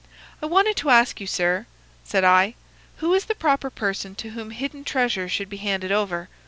"'I wanted to ask you, sir,' said I, 'who is the proper person to whom hidden treasure should be handed over.